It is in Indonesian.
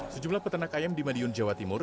sejumlah peternak ayam di madiun jawa timur